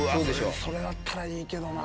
それだったらいいけどな。